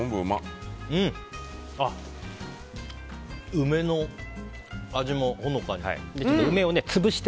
梅の味も、ほのかにあって。